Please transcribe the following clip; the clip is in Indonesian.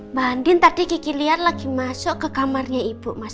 mbak andin tadi gigi liar lagi masuk ke kamarnya ibu mas